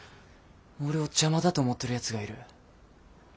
俺を邪魔だと思ってるやつがいる。